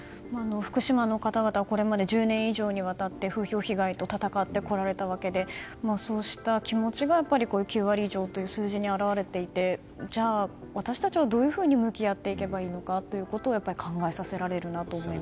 福島の方々はこれまで１０年以上にわたって風評被害と戦ってこられたわけでそうした気持ちが９割以上という数字に表れていてじゃあ、私たちはどういうふうに向き合っていけばいいのか考えさせられるなと思います。